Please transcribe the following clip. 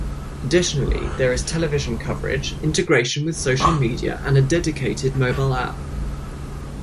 Additionally there is television coverage, integration with social media, and a dedicated mobile app.